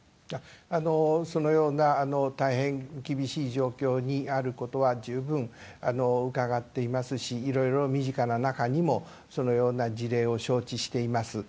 そのような大変厳しい状況にあることは十分伺っていますし、いろいろ身近な中にもそのような事例を承知しています。